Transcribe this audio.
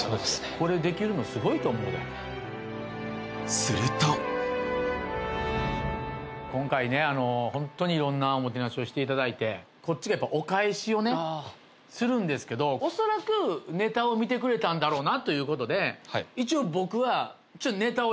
これできるのすごいと思うですると今回ねホントにいろんなおもてなしをしていただいてこっちがお返しをねするんですけど恐らくネタを見てくれたんだろうなということではい